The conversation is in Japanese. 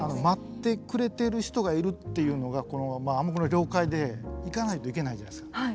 待ってくれてる人がいるっていうのが暗黙の了解で行かないといけないじゃないですか。